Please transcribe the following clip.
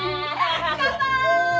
乾杯！